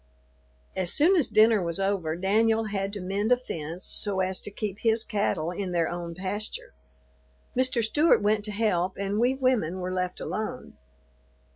As soon as dinner was over, Danyul had to mend a fence so as to keep his cattle in their own pasture. Mr. Stewart went to help and we women were left alone.